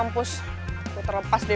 masuk kuliah dulu